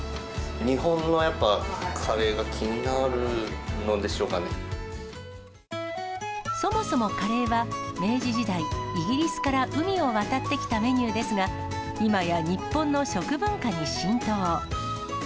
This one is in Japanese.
日本のやっぱ、そもそもカレーは、明治時代、イギリスから海を渡ってきたメニューですが、今や日本の食文化に浸透。